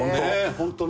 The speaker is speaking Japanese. ホントね。